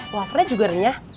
wafernya juga renyah